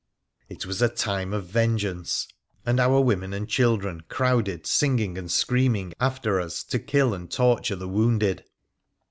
It was a time of vengeance, and our women and children crowded singing and screaming after us to kill and torture the wounded.